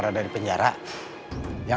kau tidak menghormati saya